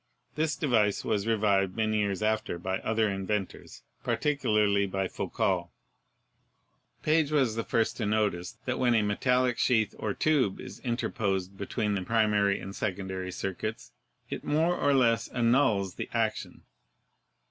This device was revived many years after by other inventors, par ticularly by Foucault. Page was the first to notice that 206 ELECTRICITY when a metallic sheath or tube is interposed between the primary and secondary circuits, it more or less annuls the action.